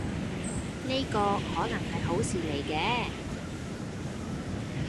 呢個可能係好事嚟嘅